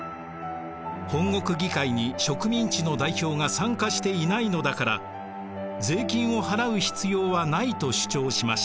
本国議会に植民地の代表が参加していないのだから税金を払う必要はないと主張しました。